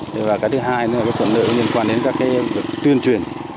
thế và cái thứ hai nữa là cái thuận lợi liên quan đến các cái tuyên truyền